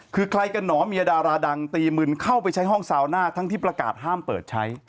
คือใครกันหนอเมียดาราดังตีมึนเข้าไปใช้ห้องซาวน่าทั้งที่ประกาศห้ามเปิดใช้